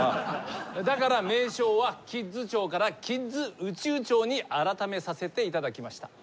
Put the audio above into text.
だから名称は「キッズ庁」から「キッズ宇宙庁」に改めさせていただきました。